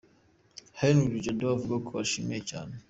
Herni Jado avuga ko ashimira cyane.